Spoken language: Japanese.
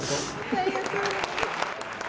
ありがとうございます。